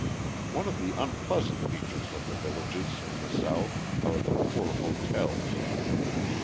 One of the unpleasant features of the villages in the South are the poor hotels.